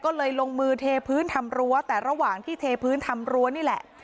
ก็เลยลงมือเทพื้นทำรั้วแต่ระหว่างที่เทพื้นทำรั้วนี่แหละ